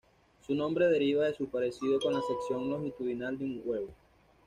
Su nombre deriva de su parecido con la sección longitudinal de un huevo.